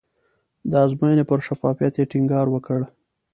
د ازموینې پر شفافیت یې ټینګار وکړ.